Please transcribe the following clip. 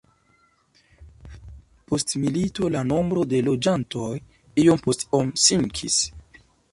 Post milito la nombro de loĝantoj iom post om sinkis.